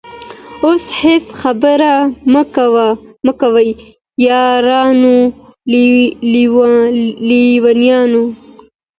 اوس هيڅ خبري مه كوی يارانو ليـونيانـو